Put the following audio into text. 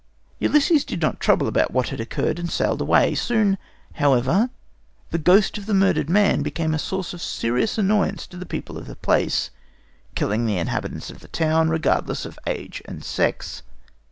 Ulysses did not trouble about what had occurred, and sailed away. Soon, however, the ghost of the murdered man became a source of serious annoyance to the people of the place, killing the inhabitants of the town, regardless of age and sex.